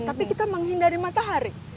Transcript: tapi kita menghindari matahari